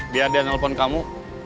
biar dia nelfon kamu